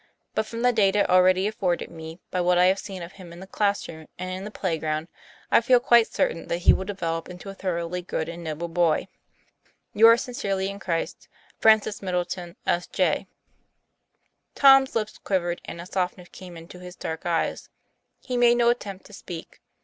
But from the data already afforded me by what I have seen of him in the class room and in the play ground, I feel quite certain that he will develop into a thoroughly good and noble boy, Yours sincerely in Xt., FRANCIS MIDDLETON, S. J. TOM PLA YFAIR. 93 Tom's lips quivered, and a softness came into his dark eyes; he made no attempt to speak.